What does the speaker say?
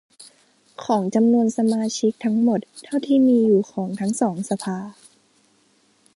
ของจำนวนสมาชิกทั้งหมดเท่าที่มีอยู่ของทั้งสองสภา